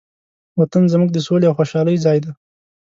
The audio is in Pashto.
وطن زموږ د سولې او خوشحالۍ ځای دی.